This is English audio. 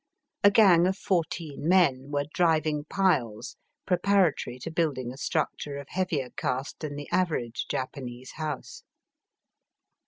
A gang of fourteen men were driving piles preparatory to building a struc ture of heavier cast than the average Japanese house.